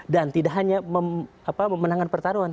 dan tidak hanya memenangkan pertarungan